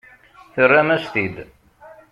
Terram-as-t-id.